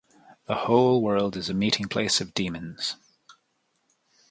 The whole world is a meeting-place of demons.